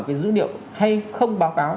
cái dữ liệu hay không báo báo